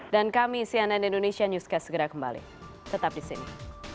dan kami cnn indonesia newscast segera kembali tetap di sini